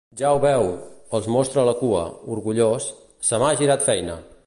Ja ho veu —els mostra la cua, orgullós—, se m'ha girat feina!